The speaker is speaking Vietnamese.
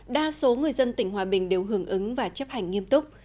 đa số người dân tỉnh hòa bình đều hưởng ứng và chấp hành nghiêm túc